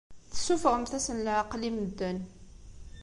Tessuffɣemt-asen leɛqel i medden.